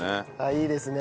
いいですね。